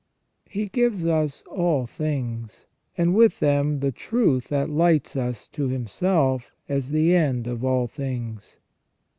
He gives us all things, and with them the truth that lights us to Himself as the end of all things.